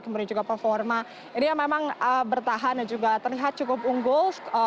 kemudian juga performa ini yang memang bertahan dan juga terlihat cukup unggul